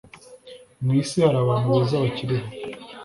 mw'isi harabantu beza bakiriho